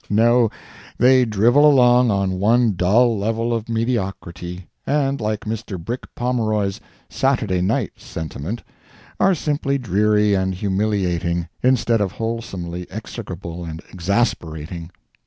No, they drivel along on one dull level of mediocrity, and, like Mr. Brick Pomeroy's "Saturday Night" sentiment, are simply dreary and humiliating, instead of wholesomely execrable and exasperating.